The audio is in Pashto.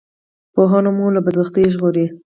پوهنه مو له بدبختیو ژغوری